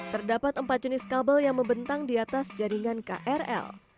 terdapat empat jenis kabel yang membentang di atas jaringan krl